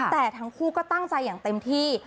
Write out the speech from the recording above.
แต่ทั้งคู่ก็ตั้งใจอย่างเต็มที่